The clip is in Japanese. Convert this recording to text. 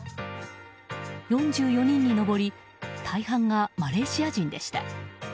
４４人に上り大半がマレーシア人でした。